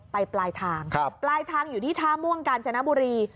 ปลายทางปลายทางอยู่ที่ท่าม่วงกาญจนบุรี